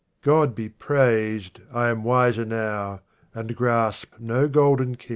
God be praised ! I am wiser now, and grasp no golden key.